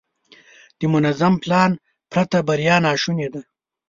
د منظم پلان پرته بریا ناشونې ده.